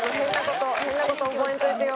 変な事覚えんといてよ。